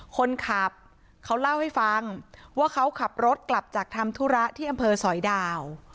คนขับเขาเล่าให้ฟังว่าเขาขับรถกลับจากทำธุระที่อำเภอสอยดาว